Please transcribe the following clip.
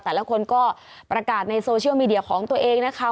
แต่ละคนก็ประกาศในโซเชียลมีเดียของตัวเองนะคะ